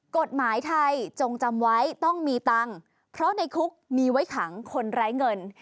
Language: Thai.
กฎหมายไทยจงจำไว้ต้องมีตังค์เพราะในคุกมีไว้ขังคนไร้เงิน